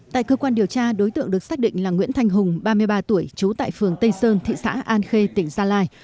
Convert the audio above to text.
tại cơ quan điều tra đối tượng được xác định là nguyễn thanh hùng ba mươi ba tuổi trú tại phường tây sơn thị xã an khê tỉnh gia lai